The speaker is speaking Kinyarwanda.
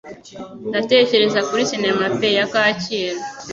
Ndatekereza kuri sinema pe ya kacyiru